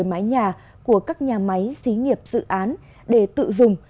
điện mặt trời máy nhà của các nhà máy xí nghiệp dự án để tự dùng